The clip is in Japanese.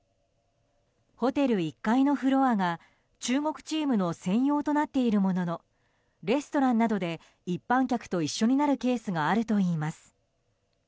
ホテル１階のフロアが中国チームの専用となっているもののレストランなどで一般客と一緒になるケースがあるといいます。